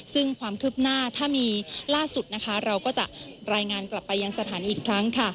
ซึ่งความคืบหน้าถ้ามีล่าสุดนะคะเราก็จะรายงานกลับไปยังสถานอีกครั้งค่ะ